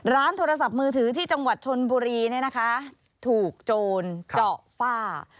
ร้านโทรศัพท์มือถือที่จังหวัดชนบุรีถูกโจรเจาะฝ้า